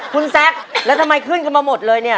คุณแซคแล้วทำไมขึ้นกันมาหมดเลยเนี่ย